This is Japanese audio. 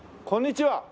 こんにちは。